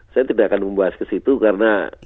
saya tidak akan membahas kesitu karena